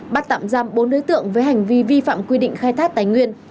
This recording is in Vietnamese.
bắt tạm giam bốn đối tượng với hành vi vi phạm quy định khai thác tài nguyên